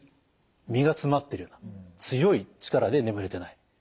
実が詰まってるような強い力で眠れてない。